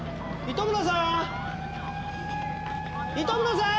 糸村さーん！